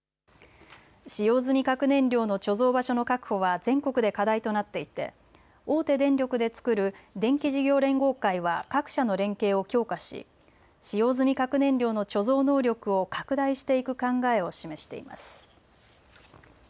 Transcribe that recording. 使用済み核燃料の貯蔵場所の確保は全国で課題となっていて大手電力で作る電気事業連合会は各社の連携を強化し、使用済み核燃料の貯蔵能力を拡大していく考えを示しています。